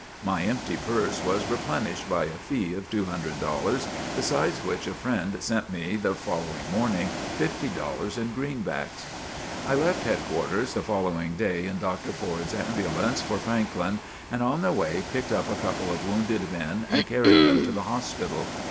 My empty purse was replenished by a fee of two hundred dollars, besides which a friend sent me, the following morning, fifty dollars in greenbacks. I left headquarters the following day in Dr. Foard's ambulance for Franklin and on the way picked up a couple of wounded men and carried them to the hospital.